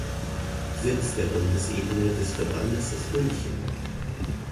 Sitz der Bundesebene des Verbandes ist München.